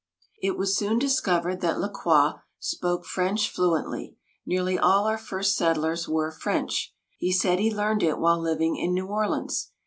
It was soon discovered that La Croix spoke French fluently; nearly all our first settlers were French. He said he learned it while living in New Orleans.